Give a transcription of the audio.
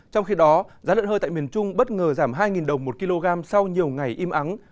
trong khi đó giá lợn hơi tại miền trung bất ngờ giảm hai đồng một kg sau nhiều ngày im ắng